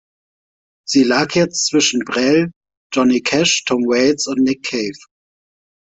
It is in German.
Sie lag jetzt zwischen Brel, Johnny Cash, Tom Waits und Nick Cave.